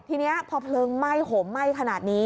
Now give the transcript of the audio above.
ทีนี้พอเพลิงไหม้ห่มไหม้ขนาดนี้